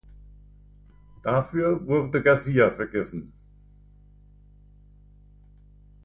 Dafür wurde Garcia vergessen.